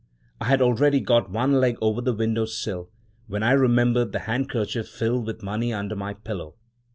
I had already got one leg over the window sill, when I remembered the handkerchief filled with money under my pillow.